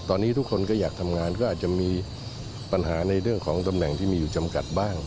ตอนนี้ทุกคนก็อยากทำงานก็อาจจะมีปัญหาในเรื่องของตำแหน่งที่มีอยู่จำกัดบ้าง